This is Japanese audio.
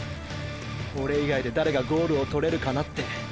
オレ以外で誰がゴールを獲れるかなって。